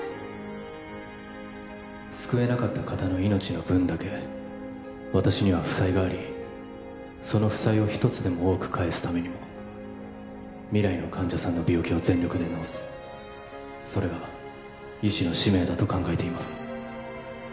救えなかった方の命の分だけ私には負債がありその負債を一つでも多く返すためにも未来の患者さんの病気を全力で治すそれが医師の使命だと考えています